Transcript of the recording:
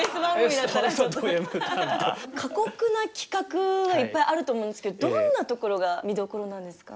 過酷な企画はいっぱいあると思うんですけどどんなところが見どころなんですか？